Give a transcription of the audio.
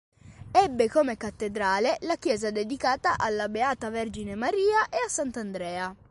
Ebbe come cattedrale la chiesa dedicata alla Beata Vergine Maria e a Sant'Andrea.